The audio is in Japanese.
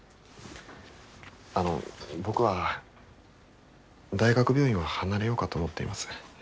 あの僕は大学病院は離れようかと思っています。